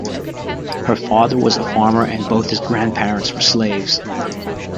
His father was a farmer and both his grandparents were slaves.